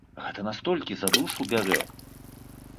Гэта настолькі за душу бярэ!